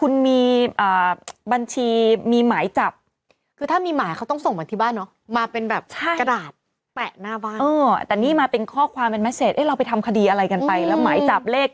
แล้วหมายจับเลขที่เท่าไหร่ตึงเขียนมาบอก